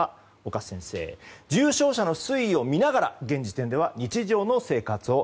岡先生、重症者の推移を見ながら現時点では日常の生活を。